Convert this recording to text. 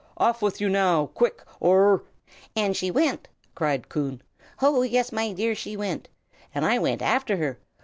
Off with you, now, quick, or '" "And she went!" cried Coon. "Oh, yes, my dear, she went! And I went after her!